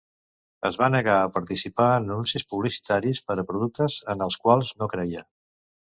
Es va negar a participar en anuncis publicitaris per a productes en els quals no creia.